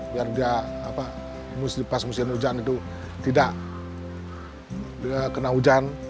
biar dia pas musim hujan itu tidak kena hujan